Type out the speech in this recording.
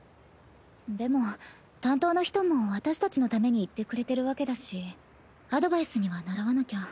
でも担当の人も私たちのために言ってくれてるわけだしアドバイスには倣わなきゃ。